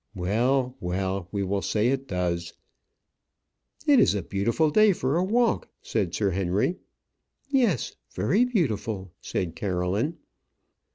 Well, well; we will say it does. "It is a beautiful day for a walk," said Sir Henry. "Yes, very beautiful," said Caroline.